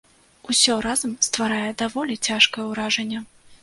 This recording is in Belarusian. Усё разам стварае даволі цяжкае ўражанне.